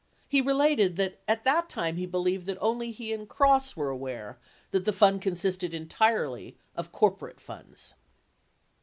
He related that at that time he believed that only he and Cross were aware that the fund consisted entirely of corporate funds.